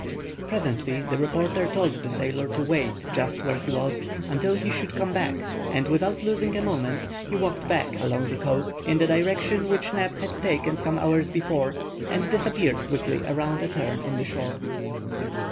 Presently the reporter told the sailor to wait just where he was until he should come back, and without losing a moment, he walked back along the coast in the direction which Neb had taken some hours before, and disappeared quickly around a turn in the shore.